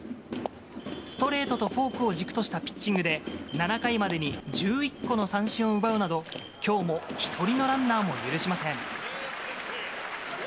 ストレートとフォークを軸としたピッチングで、７回までに１１個の三振を奪うなど、きょうも一人のランナーも許しません。